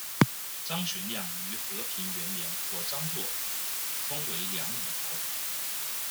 张玄靓于和平元年获张祚封为凉武侯。